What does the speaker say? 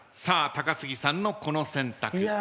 高杉さんのこの選択。